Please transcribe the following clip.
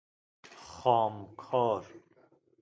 خام کار